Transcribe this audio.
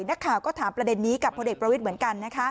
นักข่าวก็ถามประเด็นนี้กับพลเอกประวิทย์เหมือนกันนะคะ